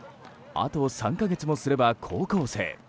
あと３か月もすれば高校生。